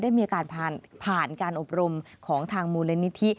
ได้มีการผ่านการอบรมของทางมูลนิธิ